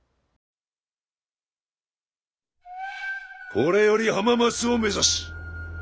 これより浜松を目指す。